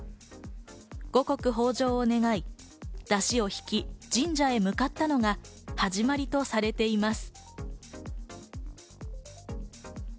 五穀豊穣を願い、だしをひき、神社へ向かったのが始まりとされています。